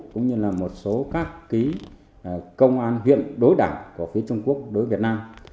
cũng như là một số các công an huyện đối đảng của phía trung quốc đối với việt nam